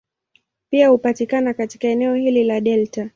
Pia hupatikana katika eneo hili la delta.